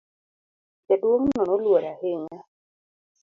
Jaduong' no noluor ahinya.